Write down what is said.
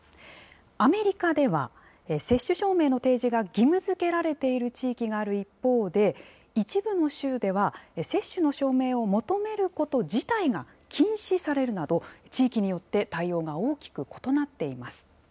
アメリカでは、接種証明の提示が義務づけられている地域がある一方で、一部の州では、接種の証明を求めること自体が禁止されるなど、地域によって対応が大きく異なっています。